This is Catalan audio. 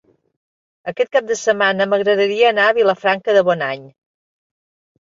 Aquest cap de setmana m'agradaria anar a Vilafranca de Bonany.